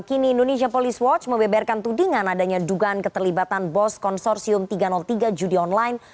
kini indonesia police watch mebeberkan tudingan adanya dugaan keterlibatan bos konsorsium tiga ratus tiga judi online